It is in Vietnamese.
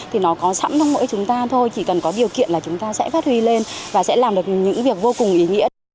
thì nó có sẵn trong mỗi chúng ta thôi chỉ cần có điều kiện là chúng ta sẽ phát huy lên và sẽ làm được những việc vô cùng ý nghĩa